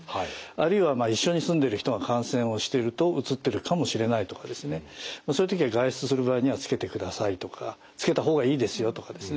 あるいは一緒に住んでる人が感染をしてるとうつってるかもしれないとかですねそういう時は外出する場合にはつけてくださいとかつけた方がいいですよとかですね。